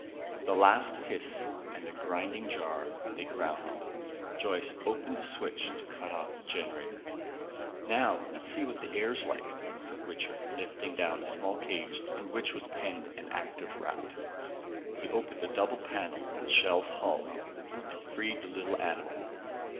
With a last hiss, and a grinding jar, they grounded. Joyce opened the switch to cut off the generator. "Now let's see what the air's like," said Wichter, lifting down a small cage in which was penned an active rat. He opened a double panel in the shell's hull, and freed the little animal.